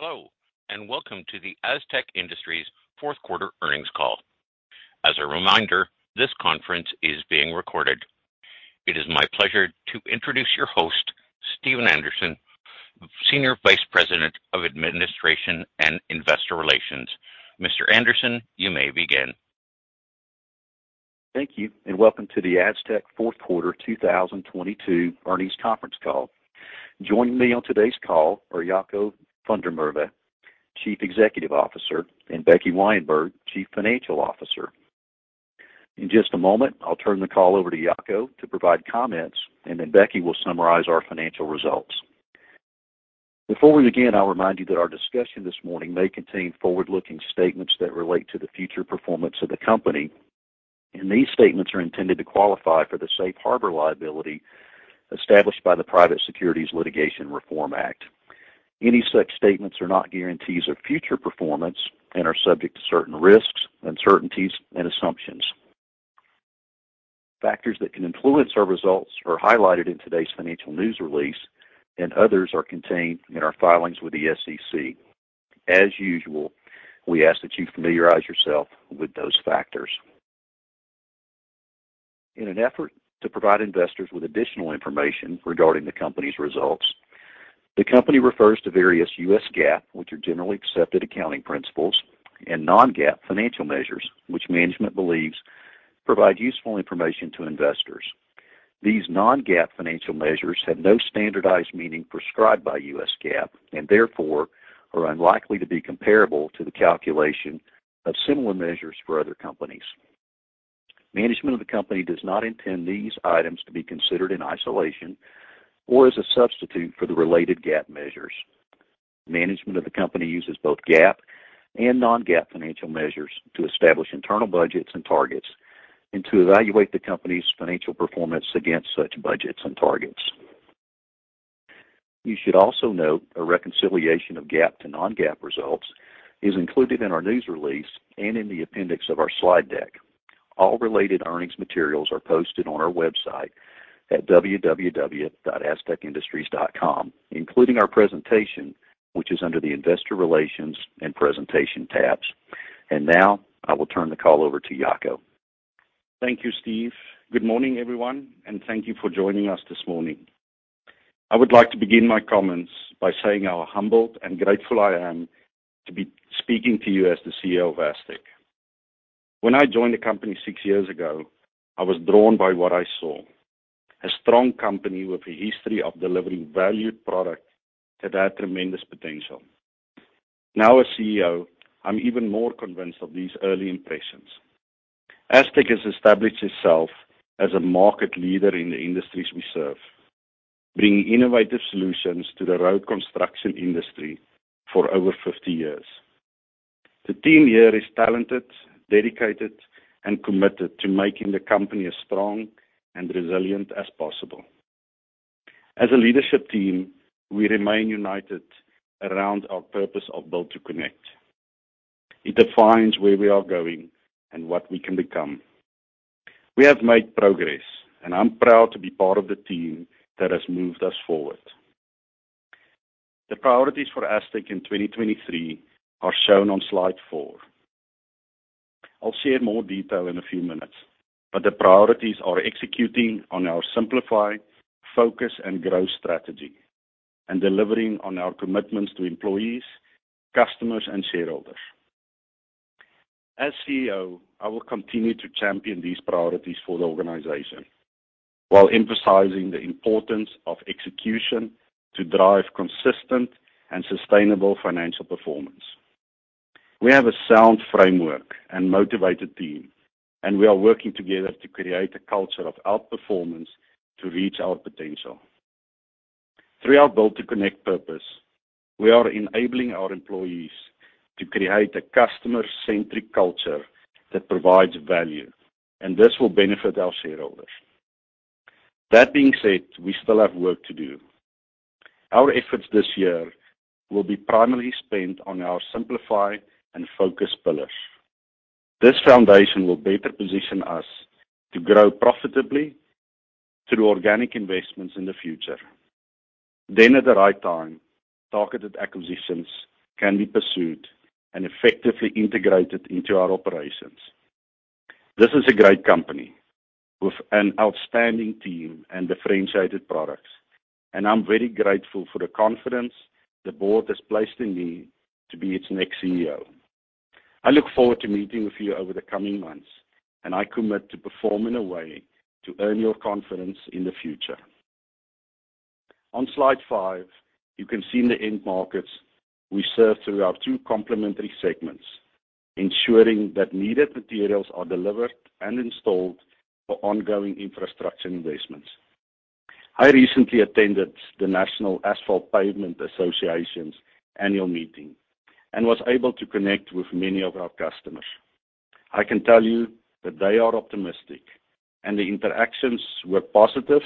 Hello, and welcome to the Astec Industries Q4 Earnings Call. As a reminder, this conference is being recorded. It is my pleasure to introduce your host, Steve Anderson, Senior Vice President of Administration and Investor Relations. Mr. Anderson, you may begin. Thank you, and welcome to the Astec Q4 2022 Earnings Conference Call. Joining me on today's call are Jaco van der Merwe, Chief Executive Officer, and Becky Weyenberg, Chief Financial Officer. In just a moment, I'll turn the call over to Jaco to provide comments, and then Becky will summarize our financial results. Before we begin, I'll remind you that our discussion this morning may contain forward-looking statements that relate to the future performance of the company, and these statements are intended to qualify for the safe harbor liability established by the Private Securities Litigation Reform Act. Any such statements are not guarantees of future performance and are subject to certain risks, uncertainties, and assumptions. Factors that can influence our results are highlighted in today's financial news release, and others are contained in our filings with the SEC. As usual, we ask that you familiarize yourselves with those factors. In an effort to provide investors with additional information regarding the company's results, the company refers to various U.S. GAAP, which are generally accepted accounting principles, and non-GAAP financial measures, which management believes provide useful information to investors. These non-GAAP financial measures have no standardized meaning prescribed by U.S. GAAP and therefore are unlikely to be comparable to the calculation of similar measures for other companies. Management of the company does not intend these items to be considered in isolation or as a substitute for the related GAAP measures. Management of the company uses both GAAP and non-GAAP financial measures to establish internal budgets and targets and to evaluate the company's financial performance against such budgets and targets. You should also note a reconciliation of GAAP to non-GAAP results is included in our news release and in the appendix of our slide deck. All related earnings materials are posted on our website at www.astecindustries.com, including our presentation, which is under the Investor Relations and Presentation tabs. Now, I will turn the call over to Jaco. Thank you, Steve. Good morning, everyone, thank you for joining us this morning. I would like to begin my comments by saying how humbled and grateful I am to be speaking to you as the CEO of Astec. When I joined the company six years ago, I was drawn by what I saw. A strong company with a history of delivering valued product that had tremendous potential. Now as CEO, I'm even more convinced of these early impressions. Astec has established itself as a market leader in the industries we serve, bringing innovative solutions to the road construction industry for over 50 years. The team here is talented, dedicated, and committed to making the company as strong and resilient as possible. As a leadership team, we remain united around our purpose of Built to Connect. It defines where we are going and what we can become. We have made progress, and I'm proud to be part of the team that has moved us forward. The priorities for Astec in 2023 are shown on slide four. I'll share more detail in a few minutes, the priorities are executing on our Simplify, Focus, and Grow strategy and delivering on our commitments to employees, customers, and shareholders. As CEO, I will continue to champion these priorities for the organization while emphasizing the importance of execution to drive consistent and sustainable financial performance. We have a sound framework and motivated team, and we are working together to create a culture of outperformance to reach our potential. Through our Built to Connect purpose, we are enabling our employees to create a customer-centric culture that provides value, and this will benefit our shareholders. That being said, we still have work to do. Our efforts this year will be primarily spent on our Simplify and Focus pillars. This foundation will better position us to grow profitably through organic investments in the future. At the right time, targeted acquisitions can be pursued and effectively integrated into our operations. This is a great company with an outstanding team and differentiated products, and I'm very grateful for the confidence the board has placed in me to be its next CEO. I look forward to meeting with you over the coming months, and I commit to perform in a way to earn your confidence in the future. On slide five, you can see the end markets we serve through our two complementary segments, ensuring that needed materials are delivered and installed for ongoing infrastructure investments. I recently attended the National Asphalt Pavement Association's annual meeting and was able to connect with many of our customers. I can tell you that they are optimistic, and the interactions were positive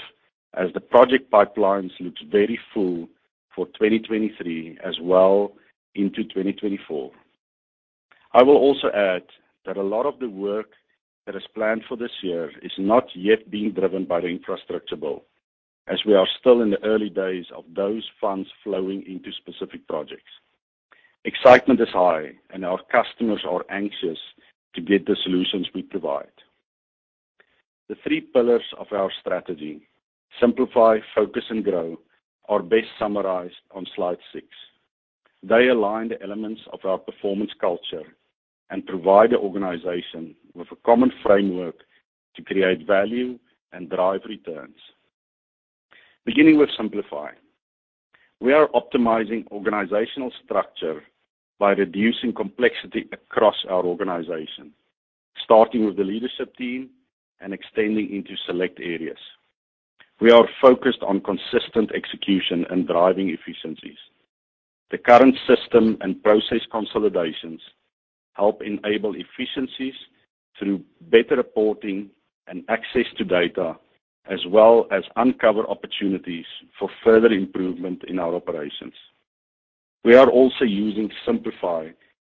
as the project pipelines looks very full for 2023 as well into 2024. I will also add that a lot of the work that is planned for this year is not yet being driven by the Infrastructure Bill, as we are still in the early days of those funds flowing into specific projects. Excitement is high, and our customers are anxious to get the solutions we provide. The three pillars of our strategy, Simplify, Focus and Grow, are best summarized on slide six. They align the elements of our performance culture and provide the organization with a common framework to create value and drive returns. Beginning with Simplify. We are optimizing organizational structure by reducing complexity across our organization, starting with the leadership team and extending into select areas. We are focused on consistent execution and driving efficiencies. The current system and process consolidations help enable efficiencies through better reporting and access to data, as well as uncover opportunities for further improvement in our operations. We are also using simplify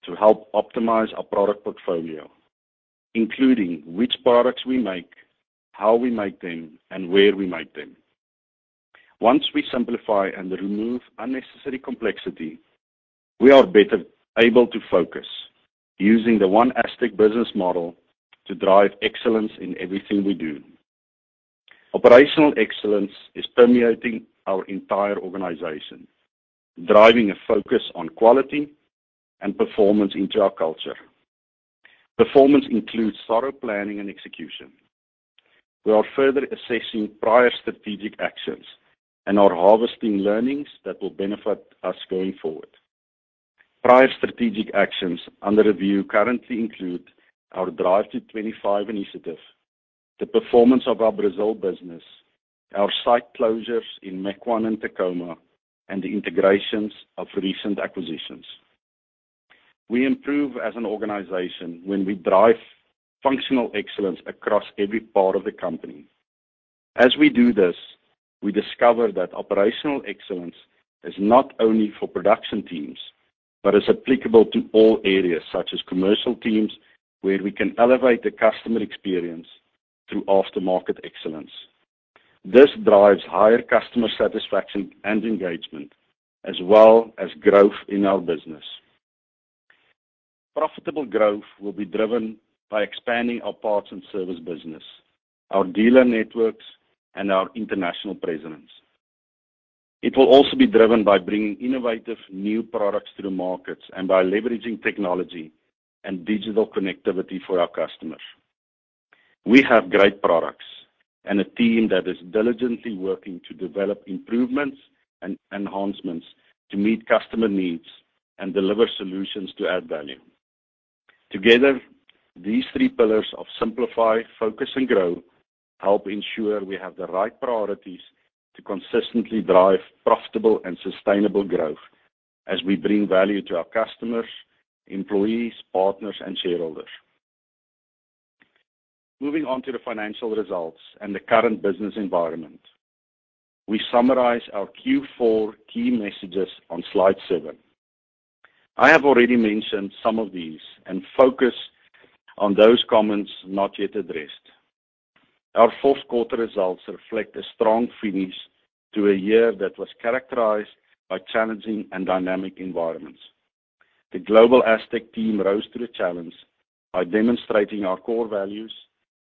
to help optimize our product portfolio, including which products we make, how we make them, and where we make them. Once we simplify and remove unnecessary complexity, we are better able to focus using the OneASTEC business model to drive excellence in everything we do. Operational excellence is permeating our entire organization, driving a focus on quality and performance into our culture. Performance includes thorough planning and execution. We are further assessing prior strategic actions and are harvesting learnings that will benefit us going forward. Prior strategic actions under review currently include our Drive to 25 initiative, the performance of our Brazil business, our site closures in Mequon and Tacoma, and the integrations of recent acquisitions. We improve as an organization when we drive functional excellence across every part of the company. As we do this, we discover that operational excellence is not only for production teams, but is applicable to all areas, such as commercial teams, where we can elevate the customer experience through after-market excellence. This drives higher customer satisfaction and engagement, as well as growth in our business. Profitable growth will be driven by expanding our parts and service business, our dealer networks, and our international presence. It will also be driven by bringing innovative new products to the markets and by leveraging technology and digital connectivity for our customers. We have great products and a team that is diligently working to develop improvements and enhancements to meet customer needs and deliver solutions to add value. Together, these three pillars of Simplify, Focus and Grow help ensure we have the right priorities to consistently drive profitable and sustainable growth as we bring value to our customers, employees, partners, and shareholders. Moving on to the financial results and the current business environment. We summarize our Q4 key messages on slide seven. I have already mentioned some of these and focus on those comments not yet addressed. Our Q4 results reflect a strong finish to a year that was characterized by challenging and dynamic environments. The global Astec team rose to the challenge by demonstrating our core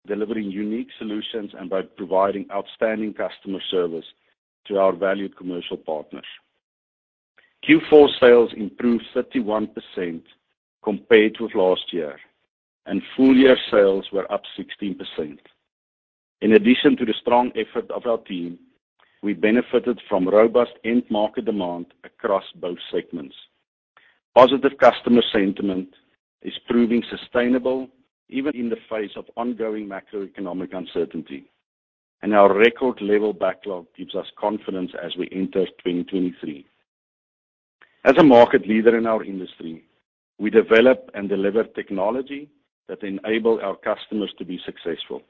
values, delivering unique solutions, and by providing outstanding customer service to our valued commercial partners. Q4 sales improved 31% compared to last year, and full year sales were up 16%. In addition to the strong effort of our team, we benefited from robust end market demand across both segments. Positive customer sentiment is proving sustainable even in the face of ongoing macroeconomic uncertainty, and our record level backlog gives us confidence as we enter 2023. As a market leader in our industry, we develop and deliver technology that enable our customers to be successful.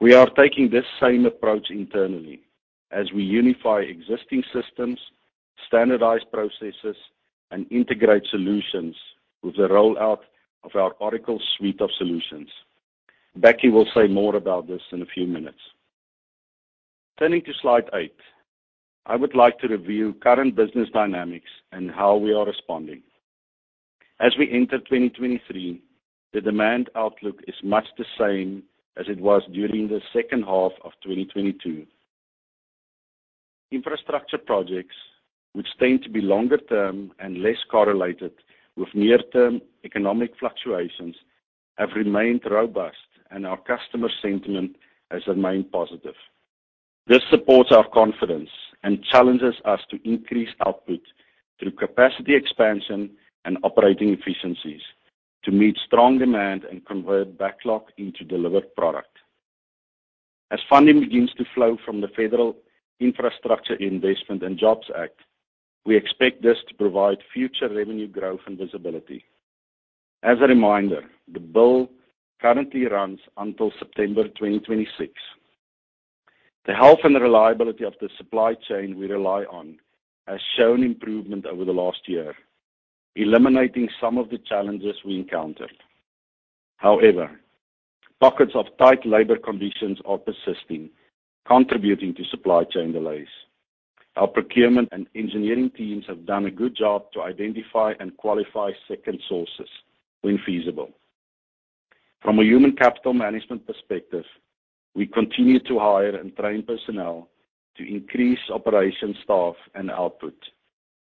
We are taking this same approach internally as we unify existing systems, standardize processes, and integrate solutions with the rollout of our Oracle suite of solutions. Becky will say more about this in a few minutes. Turning to slide eight, I would like to review current business dynamics and how we are responding. As we enter 2023, the demand outlook is much the same as it was during the second half of 2022. Infrastructure projects, which tend to be longer term and less correlated with near-term economic fluctuations, have remained robust, and our customer sentiment has remained positive. This supports our confidence and challenges us to increase output through capacity expansion and operating efficiencies to meet strong demand and convert backlog into delivered product. As funding begins to flow from the Infrastructure Investment and Jobs Act, we expect this to provide future revenue growth and visibility. As a reminder, the bill currently runs until September 2026. The health and reliability of the supply chain we rely on has shown improvement over the last year, eliminating some of the challenges we encountered. However, pockets of tight labor conditions are persisting, contributing to supply chain delays. Our procurement and engineering teams have done a good job to identify and qualify second sources when feasible. From a human capital management perspective, we continue to hire and train personnel to increase operation staff and output.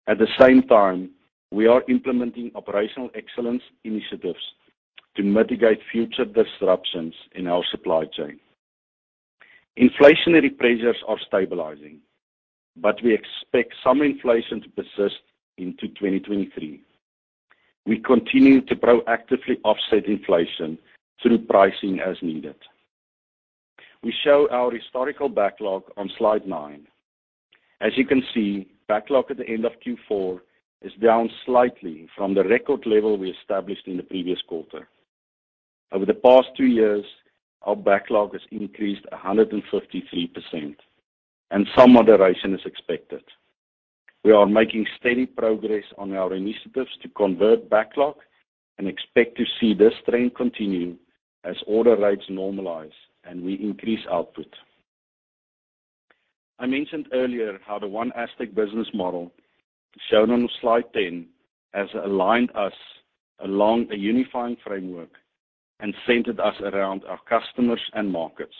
At the same time, we are implementing operational excellence initiatives to mitigate future disruptions in our supply chain. Inflationary pressures are stabilizing, but we expect some inflation to persist into 2023. We continue to proactively offset inflation through pricing as needed. We show our historical backlog on slide nine. As you can see, backlog at the end of Q4 is down slightly from the record level we established in the previous quarter. Over the past two years, our backlog has increased 153%, and some moderation is expected. We are making steady progress on our initiatives to convert backlog and expect to see this trend continue as order rates normalize and we increase output. I mentioned earlier how the OneASTEC business model shown on slide 10 has aligned us along a unifying framework and centered us around our customers and markets.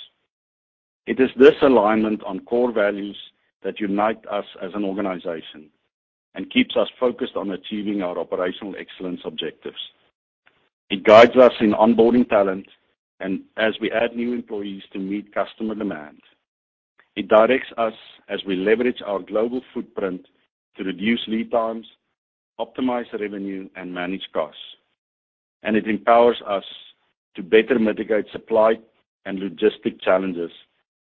It is this alignment on core values that unite us as an organization and keeps us focused on achieving our operational excellence objectives. It guides us in onboarding talent and as we add new employees to meet customer demands. It directs us as we leverage our global footprint to reduce lead times, optimize revenue, and manage costs. It empowers us to better mitigate supply and logistic challenges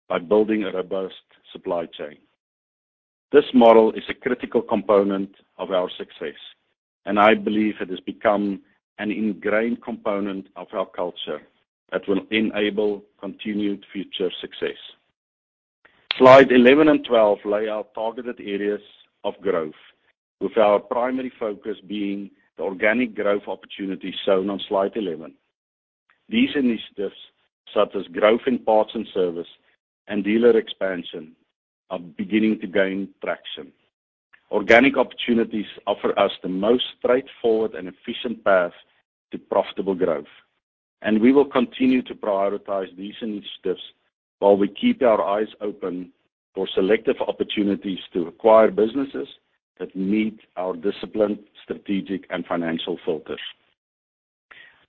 by building a robust supply chain. This model is a critical component of our success, and I believe it has become an ingrained component of our culture that will enable continued future success. Slide 11 and 12 lay out targeted areas of growth, with our primary focus being the organic growth opportunities shown on slide 11. These initiatives, such as growth in parts and service and dealer expansion, are beginning to gain traction. Organic opportunities offer us the most straightforward and efficient path to profitable growth. We will continue to prioritize these initiatives while we keep our eyes open for selective opportunities to acquire businesses that meet our disciplined, strategic, and financial filters.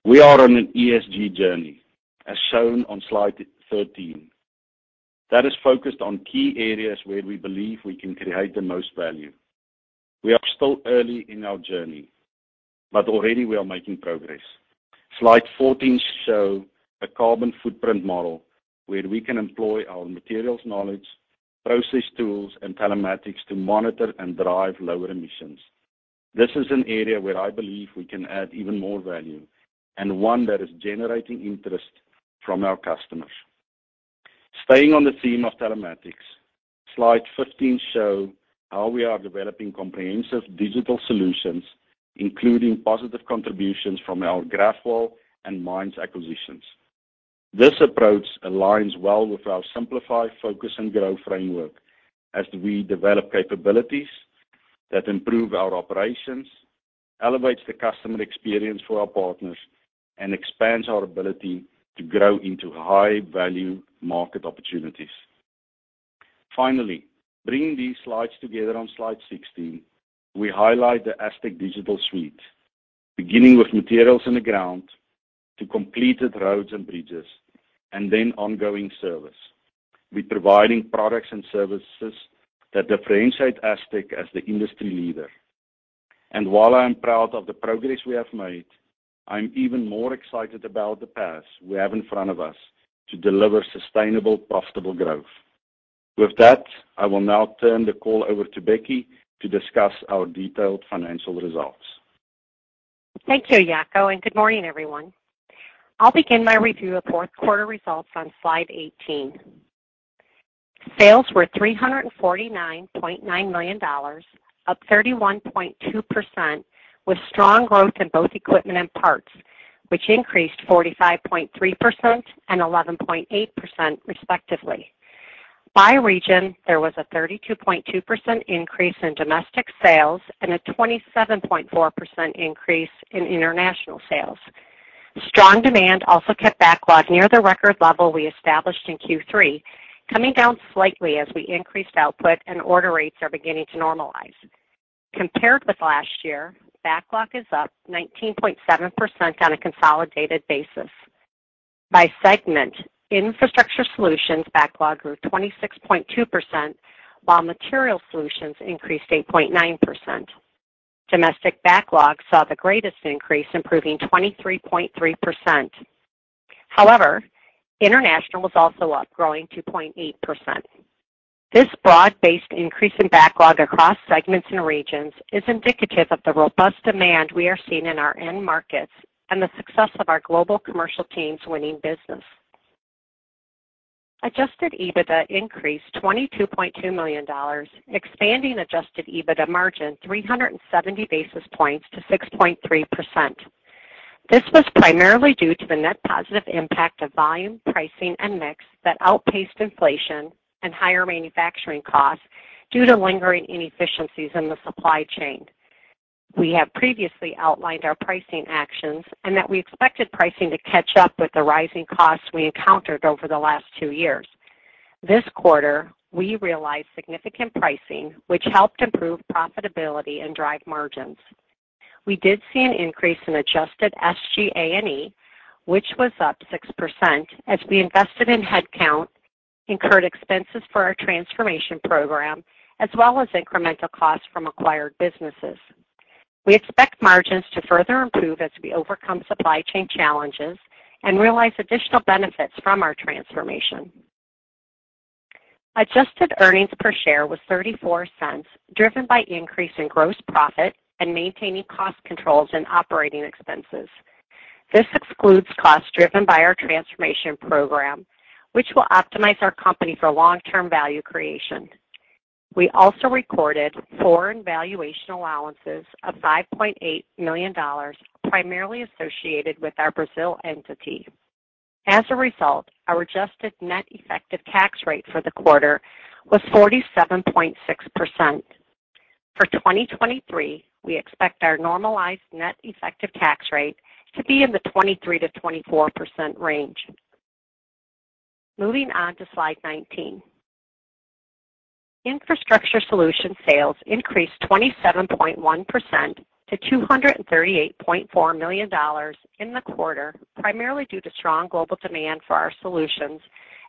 We are on an ESG journey, as shown on slide 13, that is focused on key areas where we believe we can create the most value. We are still early in our journey, but already we are making progress. Slide 14 show a carbon footprint model where we can employ our materials knowledge, process tools, and telematics to monitor and drive lower emissions. This is an area where I believe we can add even more value, and one that is generating interest from our customers. Staying on the theme of telematics, slide 15 show how we are developing comprehensive digital solutions, including positive contributions from our Grathwohl and MINDS acquisitions. This approach aligns well with our Simplify, Focus and Grow framework as we develop capabilities that improve our operations, elevates the customer experience for our partners, and expands our ability to grow into high-value market opportunities. Finally, bringing these slides together on slide 16, we highlight the ASTEC Digital Suite, beginning with materials in the ground to completed roads and bridges, and then ongoing service. We're providing products and services that differentiate Astec as the industry leader. While I am proud of the progress we have made, I'm even more excited about the path we have in front of us to deliver sustainable, profitable growth. With that, I will now turn the call over to Becky to discuss our detailed financial results. Thank you, Jaco. Good morning, everyone. I'll begin my review of Q4 results on slide 18. Sales were $349.9 million, up 31.2%, with strong growth in both equipment and parts, which increased 45.3% and 11.8% respectively. By region, there was a 32.2% increase in domestic sales and a 27.4% increase in international sales. Strong demand also kept backlog near the record level we established in Q3, coming down slightly as we increased output and order rates are beginning to normalize. Compared with last year, backlog is up 19.7% on a consolidated basis. By segment, Infrastructure Solutions backlog grew 26.2%, while Material Solutions increased 8.9%. Domestic backlog saw the greatest increase, improving 23.3%. International was also up, growing 2.8%. This broad-based increase in backlog across segments and regions is indicative of the robust demand we are seeing in our end markets and the success of our global commercial teams winning business. Adjusted EBITDA increased $22.2 million, expanding Adjusted EBITDA margin 370 basis points to 6.3%. This was primarily due to the net positive impact of volume, pricing and mix that outpaced inflation and higher manufacturing costs due to lingering inefficiencies in the supply chain. We have previously outlined our pricing actions and that we expected pricing to catch up with the rising costs we encountered over the last two years. This quarter, we realized significant pricing, which helped improve profitability and drive margins. We did see an increase in adjusted SG&A, which was up 6% as we invested in headcount, incurred expenses for our transformation program, as well as incremental costs from acquired businesses. We expect margins to further improve as we overcome supply chain challenges and realize additional benefits from our transformation. Adjusted EPS was $0.34, driven by increase in gross profit and maintaining cost controls and OpEx. This excludes costs driven by our transformation program, which will optimize our company for long-term value creation. We also recorded foreign valuation allowances of $5.8 million, primarily associated with our Brazil entity. Our adjusted net effective tax rate for the quarter was 47.6%. For 2023, we expect our normalized net effective tax rate to be in the 23%-24% range. Moving on to slide 19. Infrastructure Solutions sales increased 27.1% to $238.4 million in the quarter, primarily due to strong global demand for our solutions,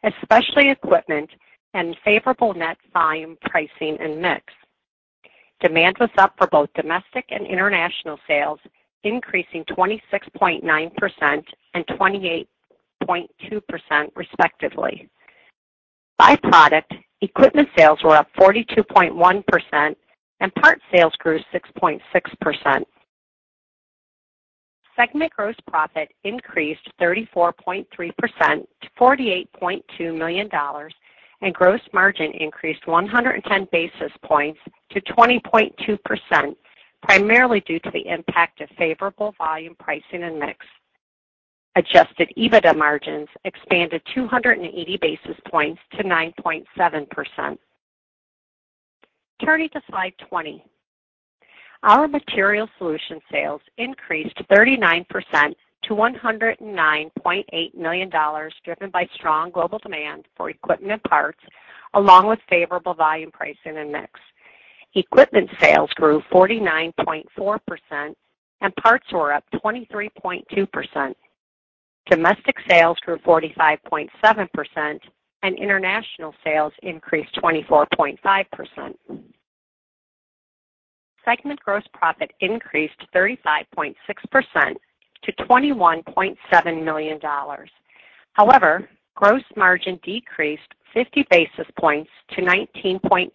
especially equipment and favorable net volume, pricing and mix. Demand was up for both domestic and international sales, increasing 26.9% and 28.2% respectively. By product, equipment sales were up 42.1% and part sales grew 6.6%. Segment gross profit increased 34.3% to $48.2 million, and gross margin increased 110 basis points to 20.2%, primarily due to the impact of favorable volume, pricing and mix. Adjusted EBITDA margins expanded 280 basis points to 9.7%. Turning to slide 20. Our Material Solutions sales increased 39% to $109.8 million, driven by strong global demand for equipment and parts along with favorable volume, pricing and mix. Equipment sales grew 49.4% and parts were up 23.2%. Domestic sales grew 45.7% and international sales increased 24.5%. Segment gross profit increased 35.6% to $21.7 million. Gross margin decreased 50 basis points to 19.8%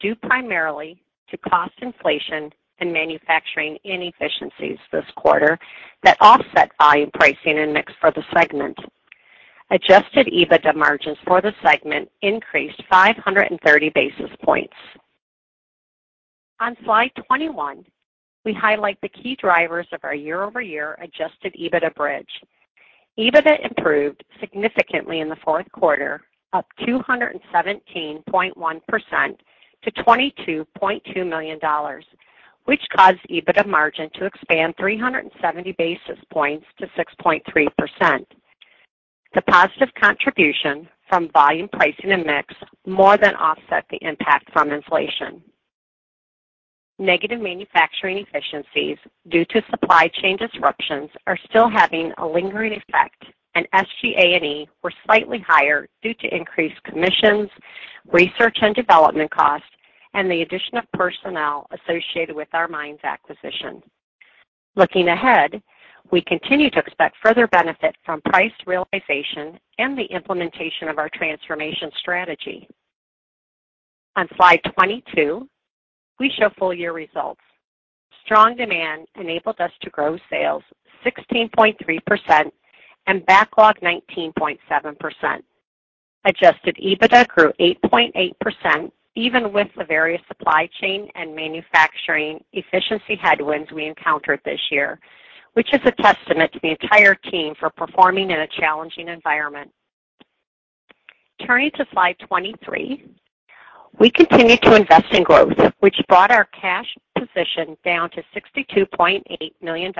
due primarily to cost inflation and manufacturing inefficiencies this quarter that offset volume, pricing and mix for the segment. Adjusted EBITDA margins for the segment increased 530 basis points. On slide 21, we highlight the key drivers of our year-over-year Adjusted EBITDA bridge. EBITDA improved significantly in the Q4, up 217.1% to $22.2 million, which caused EBITDA margin to expand 370 basis points to 6.3%. The positive contribution from volume, pricing and mix more than offset the impact from inflation. Negative manufacturing efficiencies due to supply chain disruptions are still having a lingering effect. SG&A were slightly higher due to increased commissions, research and development costs, and the addition of personnel associated with our MINDS acquisition. Looking ahead, we continue to expect further benefit from price realization and the implementation of our transformation strategy. On slide 22, we show full year results. Strong demand enabled us to grow sales 16.3% and backlog 19.7%. Adjusted EBITDA grew 8.8% even with the various supply chain and manufacturing efficiency headwinds we encountered this year, which is a testament to the entire team for performing in a challenging environment. Turning to slide 23. We continued to invest in growth, which brought our cash position down to $62.8 million,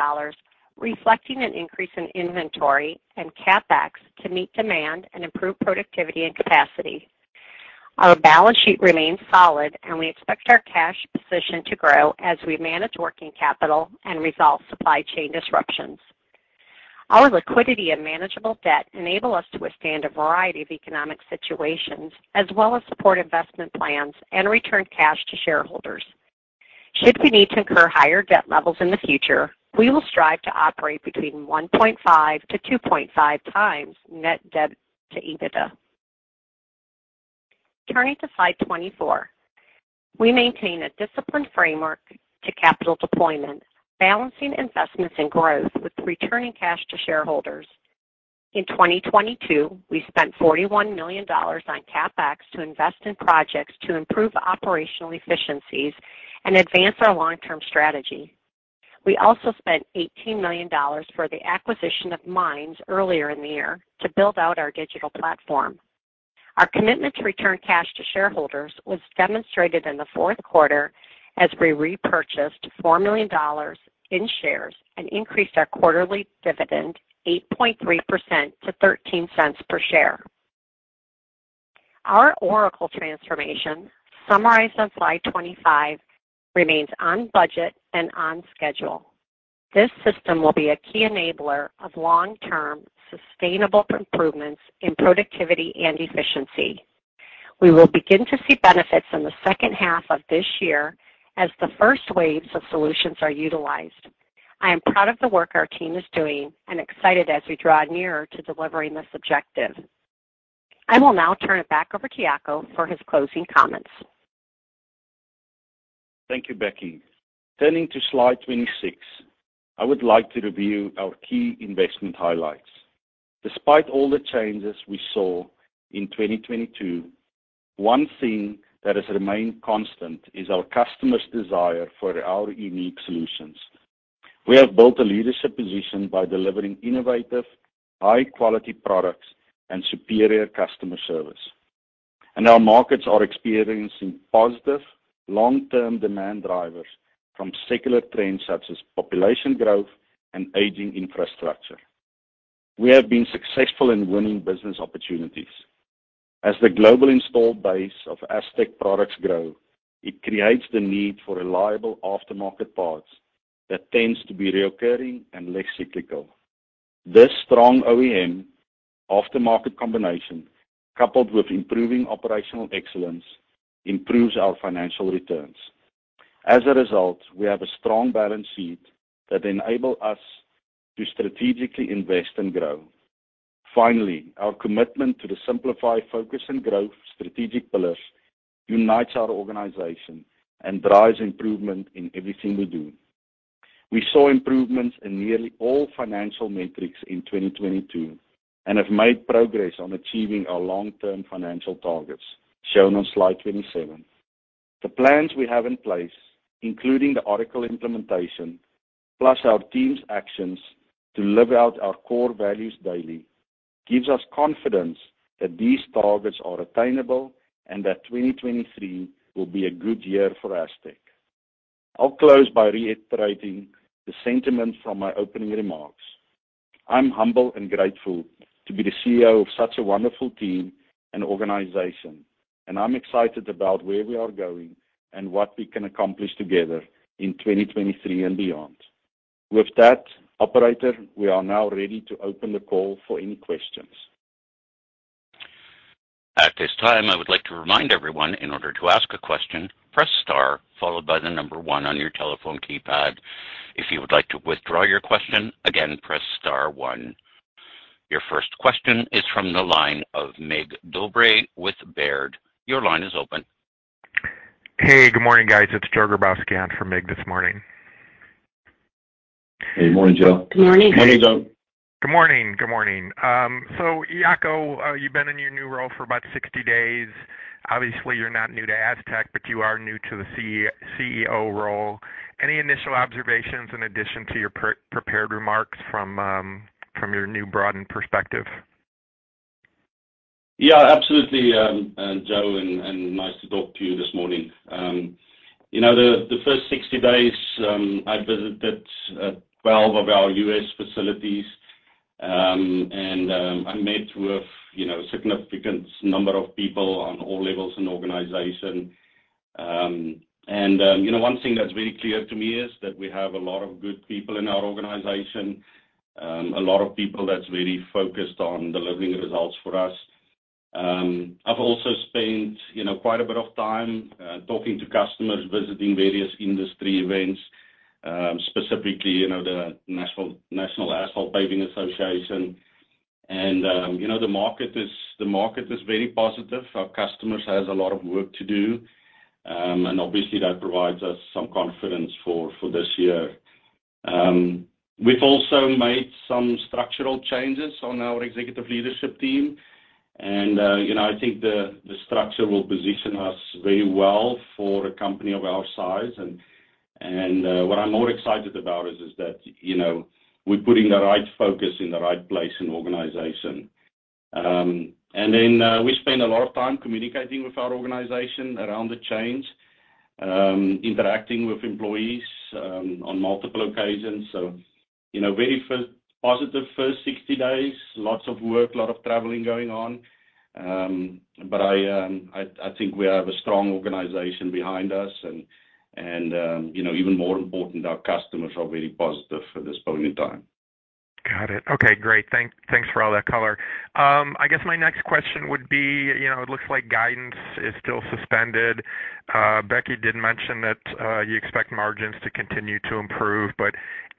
reflecting an increase in inventory and CapEx to meet demand and improve productivity and capacity. Our balance sheet remains solid. We expect our cash position to grow as we manage working capital and resolve supply chain disruptions. Our liquidity and manageable debt enable us to withstand a variety of economic situations, as well as support investment plans and return cash to shareholders. Should we need to incur higher debt levels in the future, we will strive to operate between 1.5 to 2.5 times net debt to EBITDA. Turning to slide 24. We maintain a disciplined framework to capital deployment, balancing investments in growth with returning cash to shareholders. In 2022, we spent $41 million on CapEx to invest in projects to improve operational efficiencies and advance our long-term strategy. We also spent $18 million for the acquisition of MINDS earlier in the year to build out our digital platform. Our commitment to return cash to shareholders was demonstrated in the Q4 as we repurchased $4 million in shares and increased our quarterly dividend 8.3% to $0.13 per share. Our Oracle transformation, summarized on slide 25, remains on budget and on schedule. This system will be a key enabler of long-term, sustainable improvements in productivity and efficiency. We will begin to see benefits in the second half of this year as the first waves of solutions are utilized. I am proud of the work our team is doing and excited as we draw nearer to delivering this objective. I will now turn it back over to Jaco for his closing comments. Thank you, Becky. Turning to slide 26, I would like to review our key investment highlights. Despite all the changes we saw in 2022, one thing that has remained constant is our customers' desire for our unique solutions. We have built a leadership position by delivering innovative, high quality products and superior customer service. Our markets are experiencing positive long-term demand drivers from secular trends such as population growth and aging infrastructure. We have been successful in winning business opportunities. As the global installed base of Astec products grow, it creates the need for reliable aftermarket parts that tends to be reoccurring and less cyclical. This strong OEM aftermarket combination, coupled with improving operational excellence, improves our financial returns. As a result, we have a strong balance sheet that enable us to strategically invest and grow. Finally, our commitment to the Simplify, Focus and Grow strategic pillars unites our organization and drives improvement in everything we do. We saw improvements in nearly all financial metrics in 2022 and have made progress on achieving our long-term financial targets shown on slide 27. The plans we have in place, including the Oracle implementation, plus our team's actions to live out our core values daily, gives us confidence that these targets are attainable and that 2023 will be a good year for Astec. I'll close by reiterating the sentiment from my opening remarks. I'm humble and grateful to be the CEO of such a wonderful team and organization, and I'm excited about where we are going and what we can accomplish together in 2023 and beyond. With that, operator, we are now ready to open the call for any questions. At this time, I would like to remind everyone, in order to ask a question, press star followed by the 1 on your telephone keypad. If you would like to withdraw your question, again, press star 1. Your first question is from the line of Mircea Dobre with Baird. Your line is open. Hey, good morning, guys. It's Joe Grabowski in for Mig this morning. Hey, morning, Joe. Good morning. Morning, Joe. Good morning. Good morning. Jaco, you've been in your new role for about 60 days. Obviously you're not new to Astec, but you are new to the CEO role. Any initial observations in addition to your pre-prepared remarks from your new broadened perspective? Yeah, absolutely, Joe, nice to talk to you this morning. You know, the first 60 days, I visited 12 of our U.S. facilities, I met with, you know, a significant number of people on all levels in the organization. You know, one thing that's very clear to me is that we have a lot of good people in our organization. A lot of people that's very focused on delivering results for us. I've also spent, you know, quite a bit of time talking to customers, visiting various industry events, specifically, you know, the National Asphalt Pavement Association. You know, the market is, the market is very positive. Our customers has a lot of work to do, obviously that provides us some confidence for this year. We've also made some structural changes on our executive leadership team. You know, I think the structure will position us very well for a company of our size. What I'm more excited about is that, you know, we're putting the right focus in the right place in the organization. We spend a lot of time communicating with our organization around the change, interacting with employees on multiple occasions. You know, very positive first 60 days, lots of work, a lot of traveling going on. I think we have a strong organization behind us and, you know, even more important, our customers are very positive for this point in time. Got it. Okay, great. Thanks for all that color. I guess my next question would be, you know, it looks like guidance is still suspended. Becky Weyenberg did mention that you expect margins to continue to improve.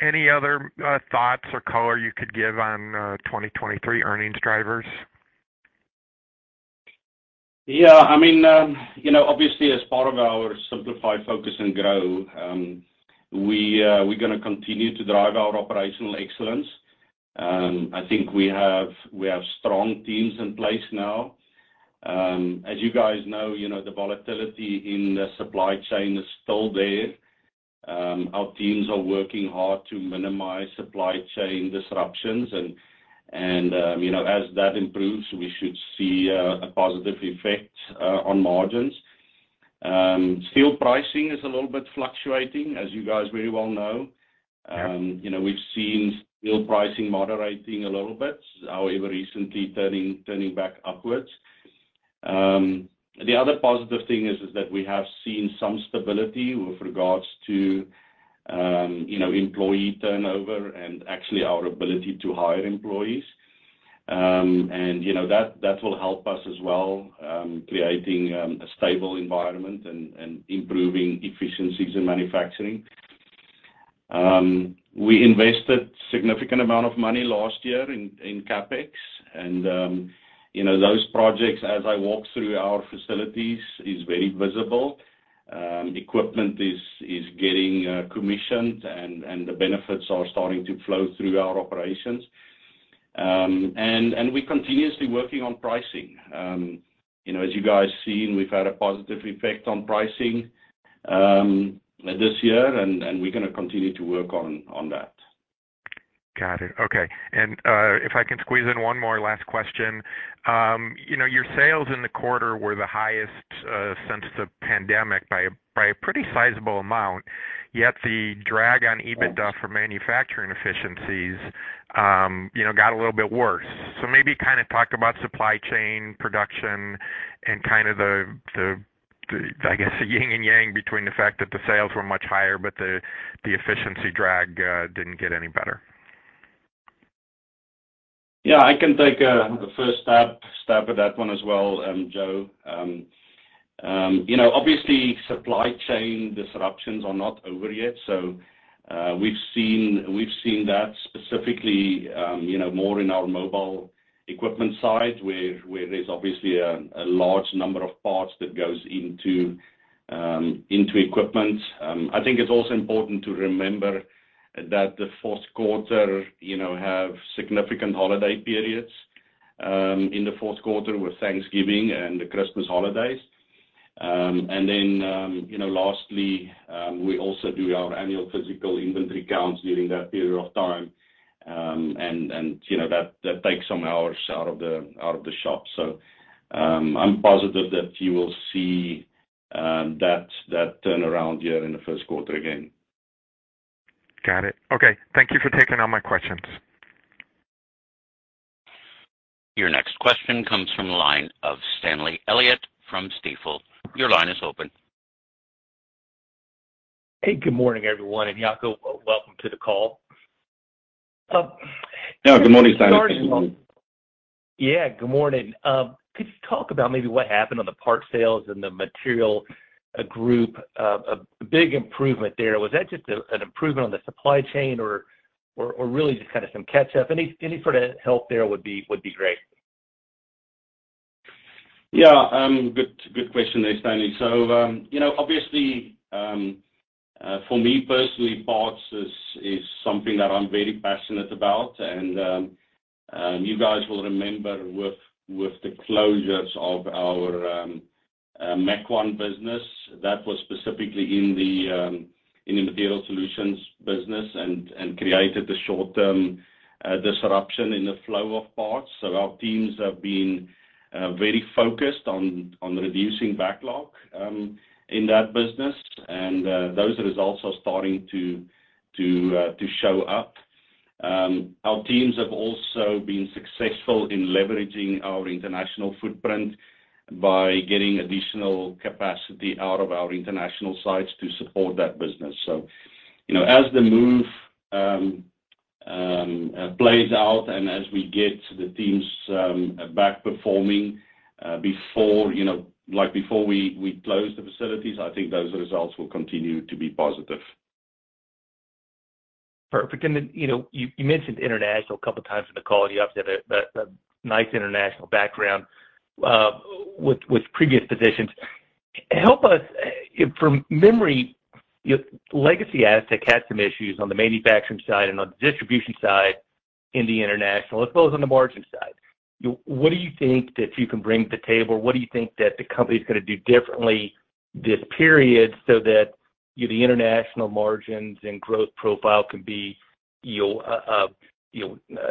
Any other thoughts or color you could give on 2023 earnings drivers? Yeah, I mean, you know, obviously as part of our Simplify, Focus and Grow, we're gonna continue to drive our operational excellence. I think we have strong teams in place now. As you guys know, you know, the volatility in the supply chain is still there. Our teams are working hard to minimize supply chain disruptions and, you know, as that improves, we should see a positive effect on margins. Steel pricing is a little bit fluctuating, as you guys very well know. You know, we've seen steel pricing moderating a little bit. Recently turning back upwards. The other positive thing is that we have seen some stability with regards to, you know, employee turnover and actually our ability to hire employees. You know, that will help us as well, creating a stable environment and improving efficiencies in manufacturing. We invested significant amount of money last year in CapEx, and, you know, those projects as I walk through our facilities is very visible. Equipment is getting commissioned and the benefits are starting to flow through our operations. We're continuously working on pricing. You know, as you guys seen, we've had a positive effect on pricing this year and we're gonna continue to work on that. Got it. Okay. If I can squeeze in one more last question? You know, your sales in the quarter were the highest since the pandemic by a, by a pretty sizable amount, yet the drag on EBITDA for manufacturing efficiencies, you know, got a little bit worse. Maybe kinda talk about supply chain production and kind of the, I guess, the yin and yang between the fact that the sales were much higher, but the efficiency drag didn't get any better? Yeah, I can take a first stab at that one as well, Joe. You know, obviously, supply chain disruptions are not over yet. We've seen that specifically, you know, more in our mobile equipment side, where there's obviously a large number of parts that goes into equipment. I think it's also important to remember that the Q4, you know, have significant holiday periods in the Q4 with Thanksgiving and the Christmas holidays. You know, lastly, we also do our annual physical inventory counts during that period of time, and, you know, that takes some hours out of the shop. I'm positive that you will see that turnaround here in the Q1 again. Got it. Okay. Thank you for taking all my questions. Your next question comes from the line of Stanley Elliott from Stifel. Your line is open. Hey, good morning, everyone. Jaco, welcome to the call. Yeah, good morning, Stanley. Yeah, good morning. Could you talk about maybe what happened on the part sales and the Material Group, a big improvement there? Was that just an improvement on the supply chain or really just kind of some catch-up? Any sort of help there would be great. Yeah, good question there, Stanley. You know, obviously, for me personally, parts is something that I'm very passionate about. You guys will remember with the closures of our Mequon business, that was specifically in the Material Solutions business and created a short-term disruption in the flow of parts. Our teams have been very focused on reducing backlog in that business. Those results are starting to show up. Our teams have also been successful in leveraging our international footprint by getting additional capacity out of our international sites to support that business. You know, as the move plays out and as we get the teams back performing, before, you know, like before we closed the facilities, I think those results will continue to be positive. Perfect. You know, you mentioned international a couple times in the call. You obviously have a nice international background with previous positions. Help us from memory, your legacy asset had some issues on the manufacturing side and on the distribution side in the international, as well as on the margin side. What do you think that you can bring to the table? What do you think that the company is gonna do differently this period so that, you know, the international margins and growth profile can be, you know,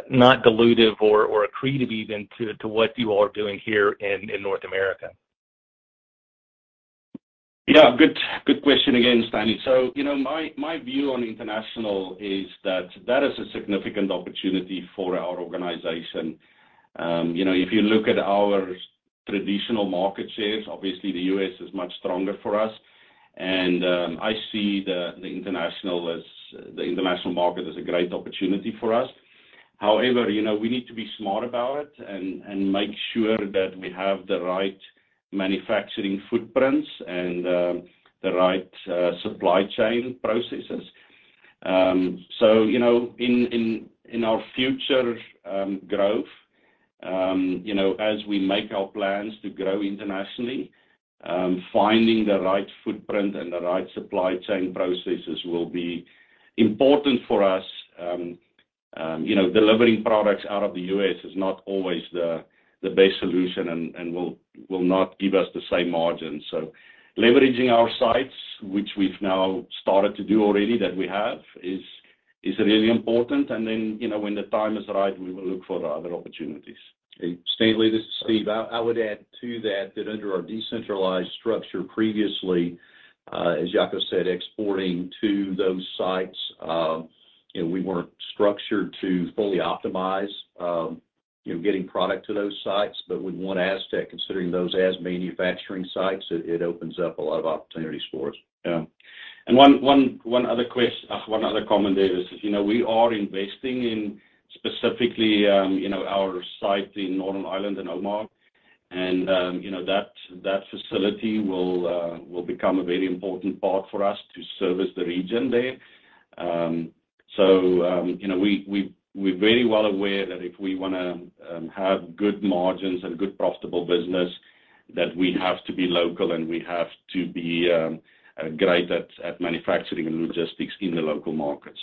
not dilutive or accretive even to what you all are doing here in North America? Yeah, good question again, Stanley. You know, my view on international is that that is a significant opportunity for our organization. You know, if you look at our traditional market shares, obviously the U.S. is much stronger for us. And I see the international as the international market as a great opportunity for us. However, you know, we need to be smart about it and make sure that we have the right manufacturing footprints and the right supply chain processes. You know, in our future growth, you know, as we make our plans to grow internationally, finding the right footprint and the right supply chain processes will be important for us. You know, delivering products out of the U.S. is not always the best solution and will not give us the same margin. Leveraging our sites, which we've now started to do already that we have, is really important. You know, when the time is right, we will look for other opportunities. Okay. Stanley, this is Steve. I would add to that under our decentralized structure previously, as Jaco said, exporting to those sites, you know, we weren't structured to fully optimize, you know, getting product to those sites. With OneASTEC, considering those as manufacturing sites, it opens up a lot of opportunities for us. Yeah. One other comment there is, you know, we are investing in specifically, you know, our site in Northern Ireland, in Omagh. You know, that facility will become a very important part for us to service the region there. You know, we're very well aware that if we wanna have good margins and good profitable business, that we have to be local, and we have to be great at manufacturing and logistics in the local markets.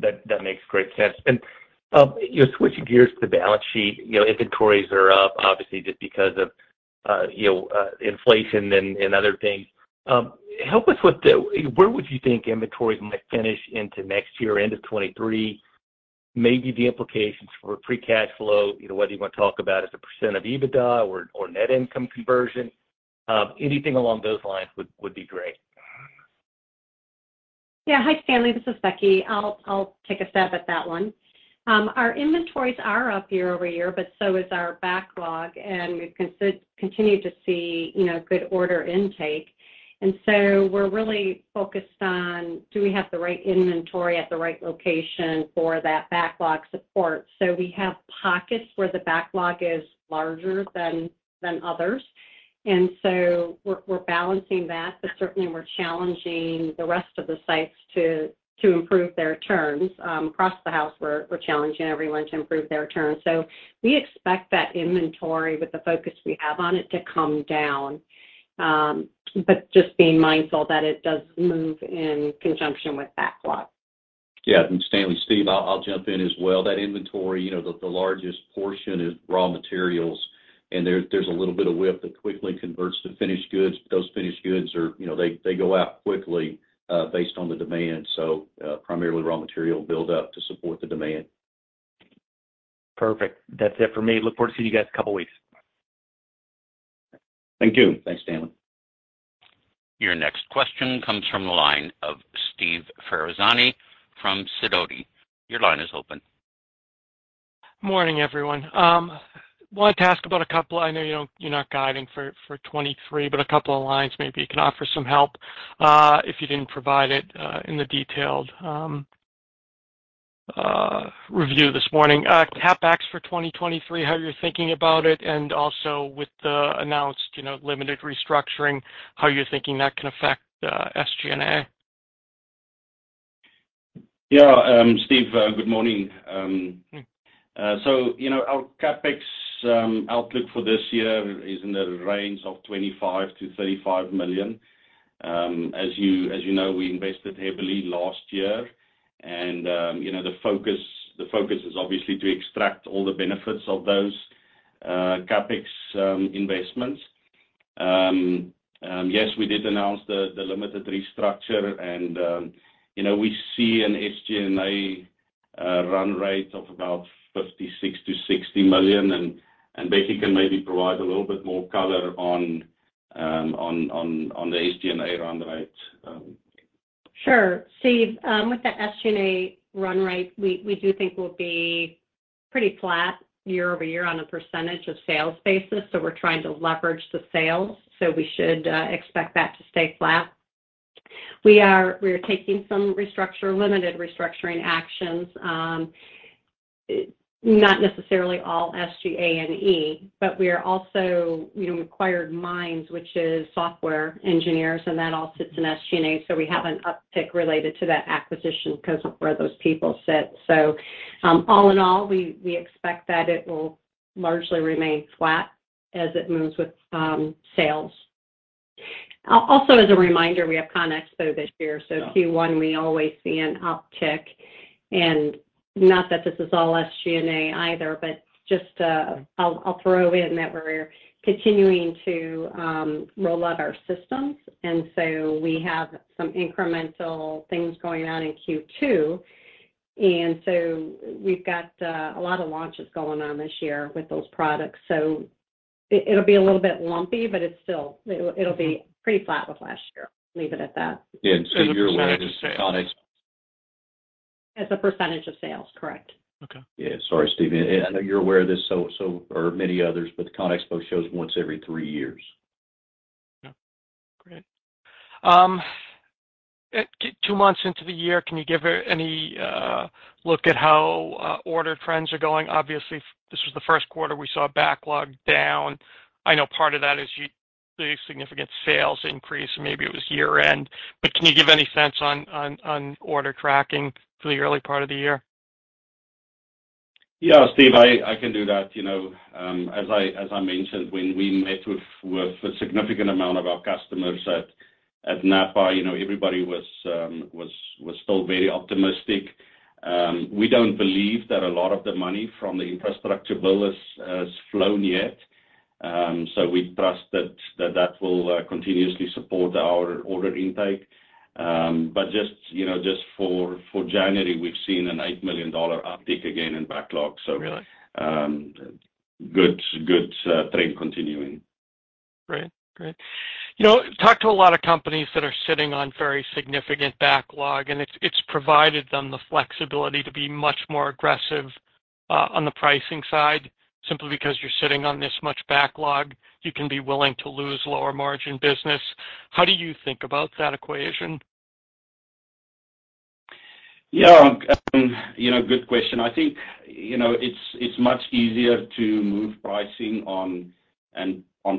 That makes great sense. Switching gears to the balance sheet, you know, inventories are up obviously just because of, you know, inflation and other things. Where would you think inventories might finish into next year, end of 23? Maybe the implications for free cash flow. You know, whether you wanna talk about as a percent of EBITDA or net income conversion, anything along those lines would be great. Hi, Stanley, this is Becky. I'll take a stab at that one. Our inventories are up year-over-year, so is our backlog, and we continue to see, you know, good order intake. We're really focused on, do we have the right inventory at the right location for that backlog support? We have pockets where the backlog is larger than others, we're balancing that, but certainly we're challenging the rest of the sites to improve their turns. Across the house, we're challenging everyone to improve their turns. We expect that inventory with the focus we have on it to come down. Just being mindful that it does move in conjunction with backlog. Yeah. Stanley, Steve, I'll jump in as well. That inventory, you know, the largest portion is raw materials, and there's a little bit of WIP that quickly converts to finished goods. Those finished goods are, you know, they go out quickly based on the demand. Primarily raw material build up to support the demand. Perfect. That's it for me. Look forward to seeing you guys in a couple of weeks. Thank you. Thanks, Stanley. Your next question comes from the line of Steve Ferazani from Sidoti. Your line is open. Morning, everyone. I know you don't, you're not guiding for 2023, but a couple of lines maybe you can offer some help if you didn't provide it in the detailed review this morning. CapEx for 2023, how you're thinking about it, and also with the announced, you know, limited restructuring, how you're thinking that can affect SG&A. Yeah. Steve, good morning. You know, our CapEx outlook for this year is in the range of $25 million to $35 million. As you, as you know, we invested heavily last year and, you know, the focus is obviously to extract all the benefits of those CapEx investments. Yes, we did announce the limited restructure and, you know, we see an SG&A run rate of about $56 million to $60 million. Becky can maybe provide a little bit more color on the SG&A run rate. Sure. Steve, with the SG&A run rate, we do think we'll be pretty flat year-over-year on a % of sales basis, we're trying to leverage the sales, we should expect that to stay flat. We're taking some restructure, limited restructuring actions. Not necessarily all SG&A, we are also, you know, acquired MINDS, which is software engineers, that all sits in SG&A. We have an uptick related to that acquisition 'cause of where those people sit. All in all, we expect that it will largely remain flat as it moves with sales. Also as a reminder, CONEXPO this year, Q1 we always see an uptick and not that this is all SG&A either, but just, I'll throw in that we're continuing to roll out our systems, we have some incremental things going on in Q2. We've got a lot of launches going on this year with those products. It'll be a little bit lumpy, but it's still, it'll be pretty flat with last year. Leave it at that. Yeah. you're aware this CONEXPO-CON/AGG. As a percentage of sales, correct. Okay. Yeah. Sorry, Steve. and I know you're aware of this, so are many others, but the CONEXPO shows once every three years. Yeah. Great. two months into the year, can you give any look at how order trends are going? Obviously, this was the Q1 we saw backlog down. I know part of that is the significant sales increase, maybe it was year-end. Can you give any sense on order tracking for the early part of the year? Steve, I can do that. You know, as I mentioned, when we met with a significant amount of our customers at NAPA, you know, everybody was still very optimistic. We don't believe that a lot of the money from the infrastructure bill has flown yet. We trust that that will continuously support our order intake. But just, you know, just for January, we've seen an $8 million uptick again in backlog. Really? Good, good, trend continuing. Great. Great. You know, talked to a lot of companies that are sitting on very significant backlog, and it's provided them the flexibility to be much more aggressive, on the pricing side. Simply because you're sitting on this much backlog, you can be willing to lose lower margin business. How do you think about that equation? Yeah. You know, good question. I think, you know, it's much easier to move pricing on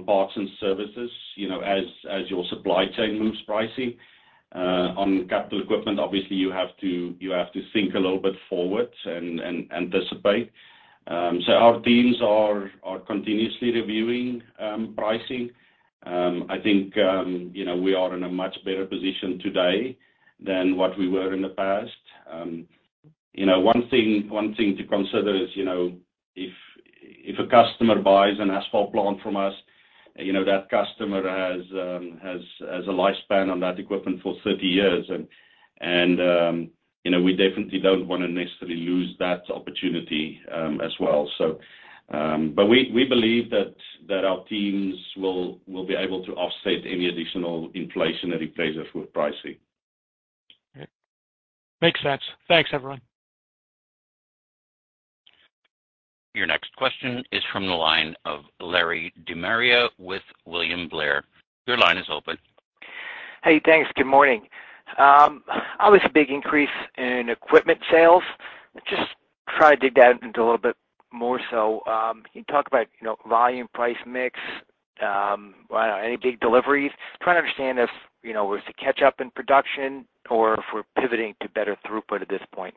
parts and services, you know, as your supply chain moves pricing. On capital equipment, obviously, you have to think a little bit forward and anticipate. So our teams are continuously reviewing pricing. I think, you know, we are in a much better position today than what we were in the past. You know, one thing to consider is, you know, if a customer buys an asphalt plant from us, you know, that customer has a lifespan on that equipment for 30 years. You know, we definitely don't wanna necessarily lose that opportunity as well. We believe that our teams will be able to offset any additional inflationary pressure for pricing. Okay. Makes sense. Thanks, everyone. Your next question is from the line of Larry De Maria with William Blair. Your line is open. Hey, thanks. Good morning. Obviously a big increase in equipment sales. Just try to dig down into a little bit more so. Can you talk about, you know, volume price mix? I don't know, any big deliveries? Trying to understand if, you know, if it's a catch-up in production or if we're pivoting to better throughput at this point.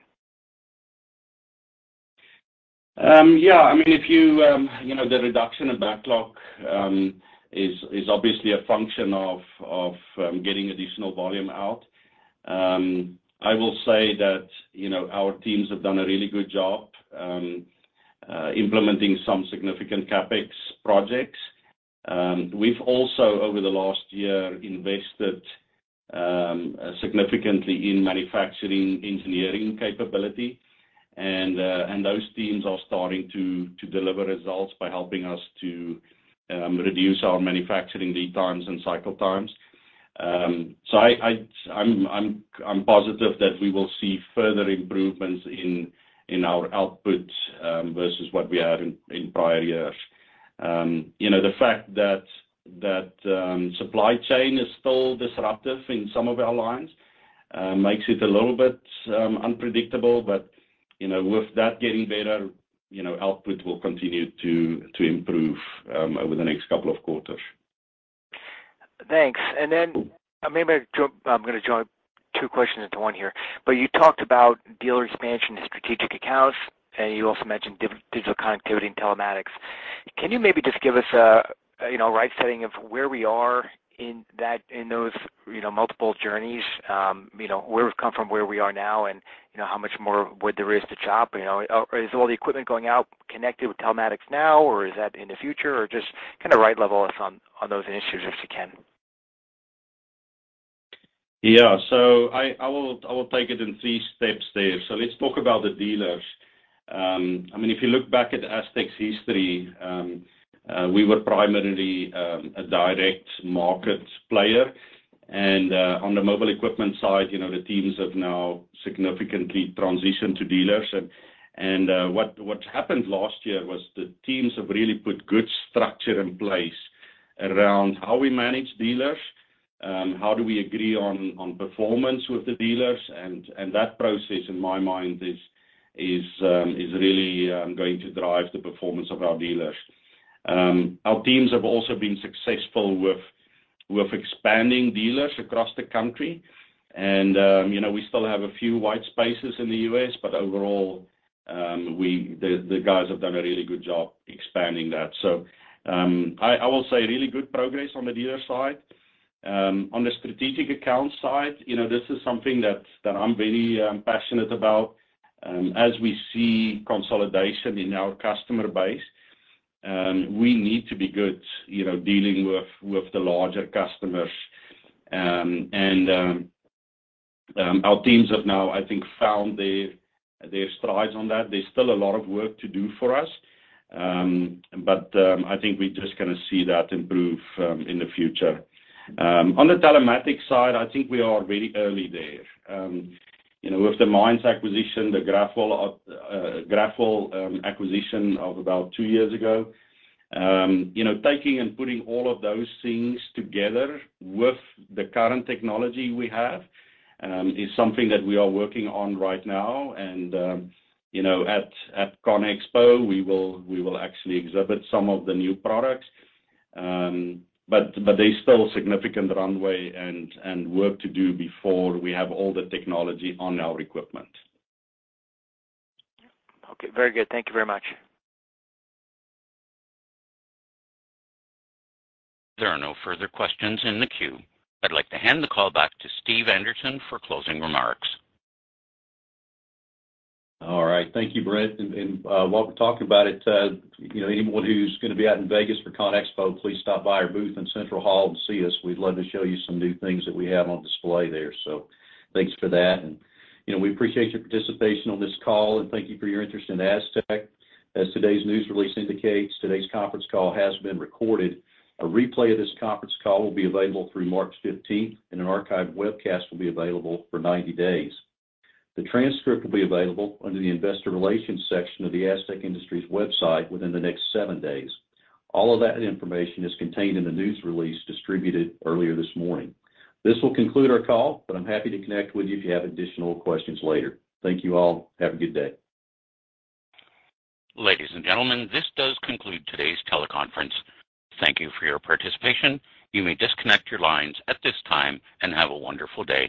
Yeah. I mean, if you... You know, the reduction in backlog is obviously a function of getting additional volume out. I will say that, you know, our teams have done a really good job implementing some significant CapEx projects. We've also over the last year invested significantly in manufacturing engineering capability. Those teams are starting to deliver results by helping us to reduce our manufacturing lead times and cycle times. I'm positive that we will see further improvements in our output versus what we had in prior years. You know, the fact that supply chain is still disruptive in some of our lines makes it a little bit unpredictable. you know, with that getting better, you know, output will continue to improve, over the next couple of quarters. Thanks. Maybe I'm gonna join two questions into one here. You talked about dealer expansion and strategic accounts, and you also mentioned digital connectivity and telematics. Can you maybe just give us a, you know, right setting of where we are in those, you know, multiple journeys? You know, where we've come from, where we are now and, you know, how much more wood there is to chop, you know? Is all the equipment going out connected with telematics now, or is that in the future? Just kinda right level us on those initiatives if you can. I will take it in three steps there. Let's talk about the dealers. I mean, if you look back at Astec's history, we were primarily a direct market player. On the mobile equipment side, you know, the teams have now significantly transitioned to dealers. What's happened last year was the teams have really put good structure in place around how we manage dealers, how do we agree on performance with the dealers. That process in my mind is really going to drive the performance of our dealers. Our teams have also been successful with expanding dealers across the country. You know, we still have a few white spaces in the U.S., but overall, the guys have done a really good job expanding that. I will say really good progress on the dealer side. On the strategic account side, you know, this is something that I'm very passionate about. As we see consolidation in our customer base, we need to be good, you know, dealing with the larger customers. Our teams have now, I think, found their strides on that. There's still a lot of work to do for us. I think we're just gonna see that improve in the future. On the telematics side, I think we are really early there. You know, with the MINDS acquisition, the Grathwohl acquisition of about two years ago, you know, taking and putting all of those things together with the current technology we have, is something that we are working on right now. You know, at CONEXPO, we will actually exhibit some of the new products. There's still significant runway and work to do before we have all the technology on our equipment. Okay. Very good. Thank you very much. There are no further questions in the queue. I'd like to hand the call back to Steve Anderson for closing remarks. All right. Thank you, Brent. While we're talking about it, you know, anyone who's gonna be out in Vegas for CONEXPO, please stop by our booth in Central Hall and see us. We'd love to show you some new things that we have on display there. Thanks for that. You know, we appreciate your participation on this call, and thank you for your interest in Astec. As today's news release indicates, today's conference call has been recorded. A replay of this conference call will be available through 15 March, and an archive webcast will be available for 90 days. The transcript will be available under the investor relations section of the Astec Industries website within the next seven days. All of that information is contained in the news release distributed earlier this morning. This will conclude our call, but I'm happy to connect with you if you have additional questions later. Thank you all. Have a good day. Ladies and gentlemen, this does conclude today's teleconference. Thank you for your participation. You may disconnect your lines at this time, and have a wonderful day.